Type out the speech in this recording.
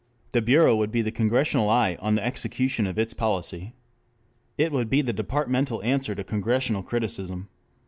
The bureau would be the Congressional eye on the execution of its policy. It would be the departmental answer to Congressional criticism.